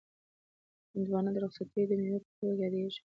هندوانه د رخصتیو د مېوې په توګه یادیږي.